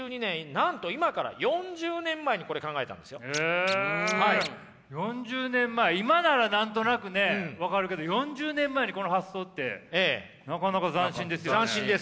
なんと４０年前今なら何となくね分かるけど４０年前にこの発想ってなかなか斬新ですよね。